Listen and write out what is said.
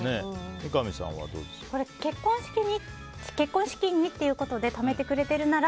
結婚資金にということでためてくれているなら